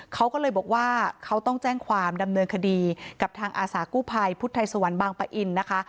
เขาก็เลยบอกว่าเขาต้องแจ้งความดำเนินคดีกับทางอาสากู้ภัยพุทธไทยสวรรค์บางปะอินนะคะ